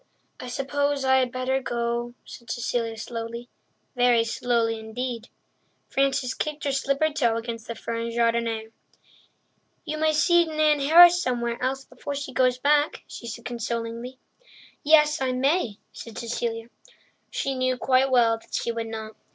"I suppose I had better go," said Cecilia slowly—very slowly indeed. Frances kicked her slippered toe against the fern jardinière. "You may see Nan Harris somewhere else before she goes back," she said consolingly. "Yes, I may," said Cecilia. She knew quite well that she would not.